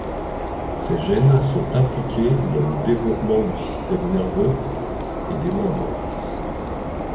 Ces gènes sont impliqués dans le développement du système nerveux et des membres.